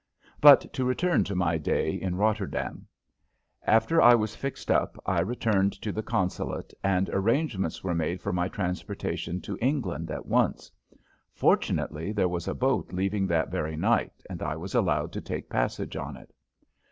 But to return to my day in Rotterdam. After I was fixed up I returned to the consulate and arrangements were made for my transportation to England at once. Fortunately there was a boat leaving that very night, and I was allowed to take passage on it.